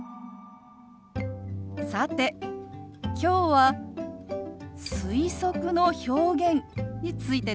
さてきょうは推測の表現についてです。